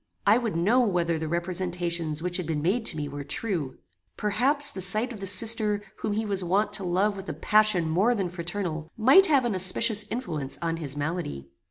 I would know whether the representations which had been made to me were true. Perhaps the sight of the sister whom he was wont to love with a passion more than fraternal, might have an auspicious influence on his malady.